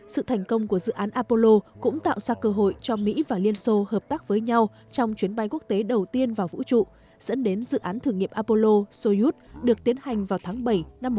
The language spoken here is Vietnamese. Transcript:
sự thành công của dự án apollo cũng tạo ra cơ hội cho mỹ và liên xô hợp tác với nhau trong chuyến bay quốc tế đầu tiên vào vũ trụ dẫn đến dự án thử nghiệm apollo soyuth được tiến hành vào tháng bảy năm một nghìn chín trăm năm